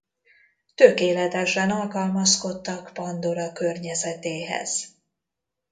Tökéletesen alkalmazkodtak Pandora környezetéhez.